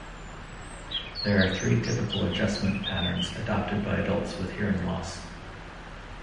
There are three typical adjustment patterns adopted by adults with hearing loss.